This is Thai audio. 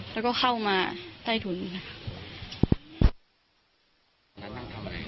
แล้วก็เข้ามาใต้ถุนค่ะ